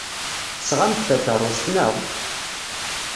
Tesɣam-d takeṛṛust, naɣ?